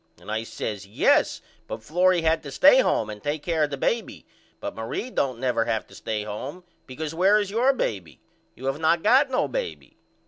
And I says Yes but Florrie had to stay home and take care of the baby but Marie don't never have to stay home because where is your baby? You have not got no baby.